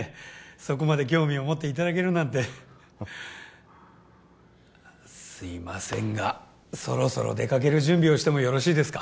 そこまで興味を持っていただけるなんてすいませんがそろそろ出かける準備をしてもよろしいですか